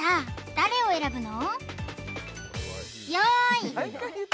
誰を選ぶの？